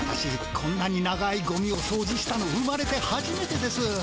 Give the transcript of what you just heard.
こんなに長いゴミをそうじしたの生まれてはじめてです。